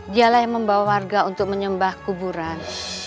dialah yang membawa warga untuk menyembah kuburan